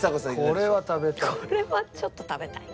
これは食べたい。